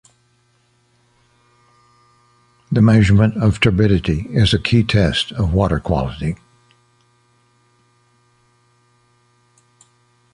The measurement of turbidity is a key test of water quality.